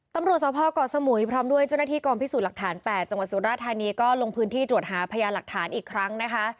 ตำรวจสภเกาะสมุยพร้อมด้วยเจ้าหน้าที่กองพิสูจน์หลักฐาน๘จังหวัดสุราธานีก็ลงพื้นที่ตรวจหาพยานหลักฐานอีกครั้งนะคะ